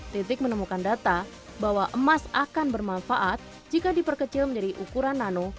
titik menemukan data bahwa emas akan bermanfaat jika diperkecil menjadi ukuran nano